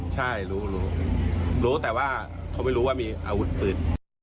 ใช่รู้รู้แต่ว่าเขาไม่รู้ว่ามีอาวุธปืน